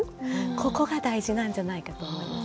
ここが大事なんじゃないかと思います。